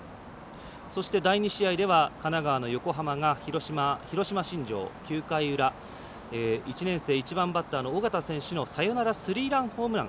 そして、第２試合では神奈川の横浜が広島新庄９回裏、１年生、１番バッターの緒方選手のサヨナラスリーランホームラン。